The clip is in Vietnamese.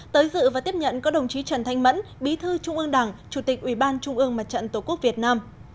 tới dự và tiếp nhận có đồng chí trần thanh mẫn bí thư trung ương đảng chủ tịch ủy ban trung ương mặt trận tổ quốc việt nam